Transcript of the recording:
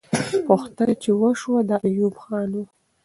پوښتنه چې وسوه، د ایوب خان وه.